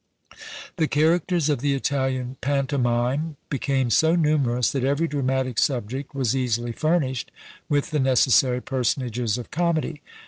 The characters of the Italian pantomime became so numerous, that every dramatic subject was easily furnished with the necessary personages of comedy.